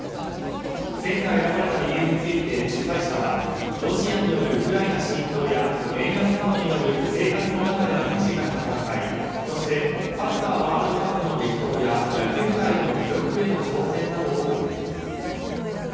「戦」が選ばれた理由について主催者はロシアによるウクライナ侵攻や円安などによる生活の中での身近な戦いそしてサッカーワールドカップの激闘や野球界での記録への挑戦などを挙げています。